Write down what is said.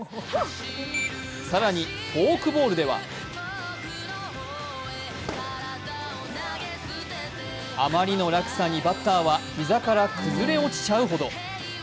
更にフォークボールではあまりの落差にバッターは膝から崩れ落ちちゃうほど。